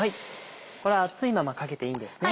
これ熱いままかけていいんですね。